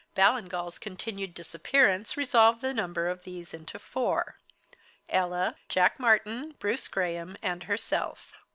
Ballingall's continued disappearance resolved the number of these into four Ella, Jack Martyn, Bruce Graham, and herself.